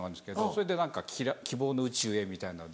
それで何か希望の宇宙へみたいなので。